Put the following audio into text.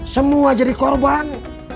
semua jadi korban